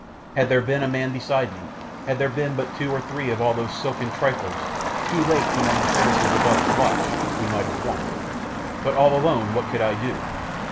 Had there been a man beside me, had there been but two or three of all those silken triflers, too late come on the terraces above to watch, we might have won. But all alone what could I do?